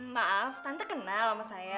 maaf tante kenal sama saya